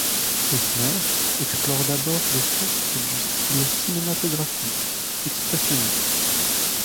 Eisner explore d'abord les sources du style cinématographique expressionniste.